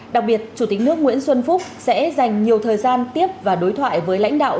đặc biệt chủ tịch nước nguyễn xuân phúc sẽ dành nhiều thời gian tiếp và đối thoại với lãnh đạo